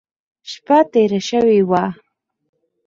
شپه تېره شوې وه.